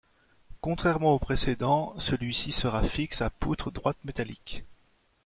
Contrairement au précédent, celui-ci sera fixe à poutre droite métallique.